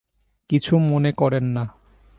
কিছু মনে করেন না।